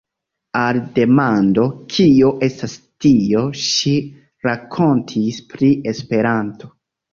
Al demando kio estas tio, ŝi rakontis pri Esperanto.